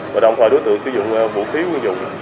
và đồng thời đối tượng sử dụng vũ khí quân dụng